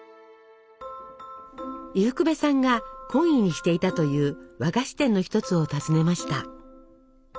伊福部さんが懇意にしていたという和菓子店の一つを訪ねました。